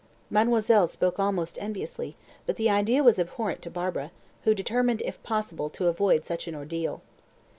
Mademoiselle spoke almost enviously; but the idea was abhorrent to Barbara, who determined, if possible, to avoid such an ordeal.